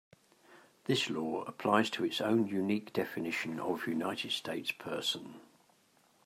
This law applies to its own unique definition of United States person.